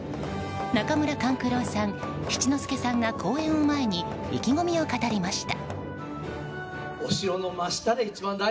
中村勘九郎さん、七之助さんが公演を前に意気込みを語りました。